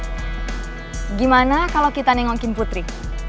gimana kalau kita nengokin putri